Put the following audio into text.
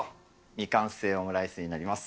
未完成オムライスになります。